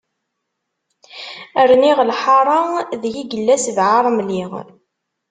Rniɣ lḥara, deg i yella sbeɛ aṛemli.